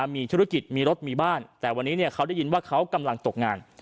มีธุรกิจมีรถมีบ้านแต่วันนี้เขาได้ยินว่าเขากำลังตกงาน